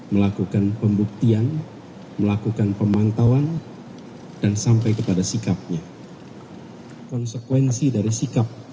melakukan pembuktian melakukan pemantauan dan sampai kepada sikapnya konsekuensi dari sikap